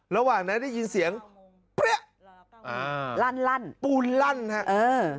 ระหว่างนั้นได้ยินเสียงปริ๊ะอ่าลั่นปูนลั่นครับเออ